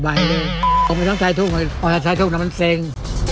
ไหวเลยออกมาทั้งชายทุกคนออกมาทั้งชายทุกคนแล้วมันเซ็ง